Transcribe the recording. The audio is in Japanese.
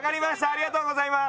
ありがとうございます。